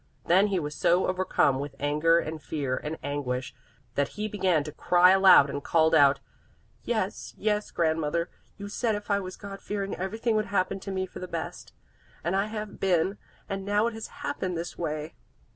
Then he was so overcome with anger and fear and anguish, that he began to cry aloud and called out: "Yes, yes, Grandmother, you said if I was God fearing everything would happen to me for the best; and I have been, and now it has happened this way!"